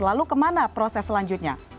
lalu kemana proses selanjutnya